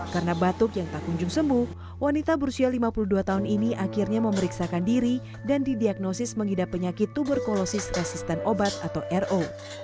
karena batuk yang tak kunjung sembuh wanita berusia lima puluh dua tahun ini akhirnya memeriksakan diri dan didiagnosis menghidap penyakit tuberkulosis resisten obat atau ro